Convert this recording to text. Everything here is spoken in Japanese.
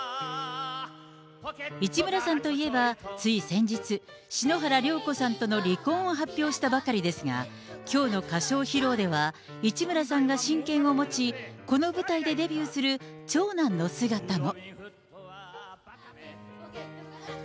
市村さんといえば、つい先日、篠原涼子さんとの離婚を発表したばかりですが、きょうの歌唱披露では、市村さんが親権を持ち、この舞台でデビューする長男の姿も。